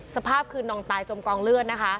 สภาพคืนนองตายจมกองเลือด